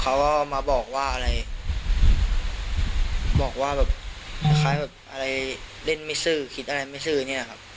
เขาก็มาบอกว่าอะไรบอกว่าแบบคล้ายแบบอะไรเล่นไม่ซื้อคิดอะไรไม่ซื้อเนี่ยครับ